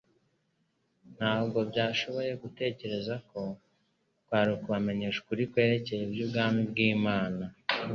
ntabwo bashoboye gutekereza ko kwari ukubamenyesha ukuri kwerekoye iby'ubwami bw'Imana.